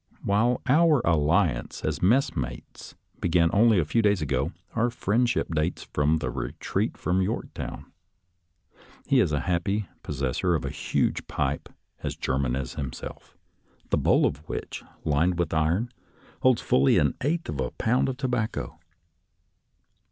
While our alliance as messmates began only a few days ago, our friendship dates from the re treat from Yorktown. He is the happy possessor of a huge pipe as German as himself, the bowl of which, lined with iron, holds fully an eighth of a pound of tobacco.